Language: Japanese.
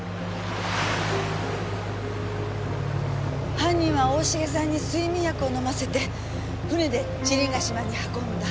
犯人は大重さんに睡眠薬を飲ませて船で知林ヶ島に運んだ。